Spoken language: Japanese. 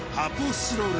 スチロール